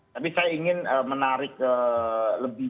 tapi saya ingin menarik lebih